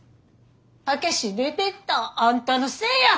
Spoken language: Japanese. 武志出てったんあんたのせいや！